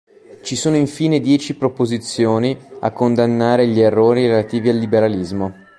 Ci sono infine dieci proposizioni a condannare gli errori relativi al liberalismo.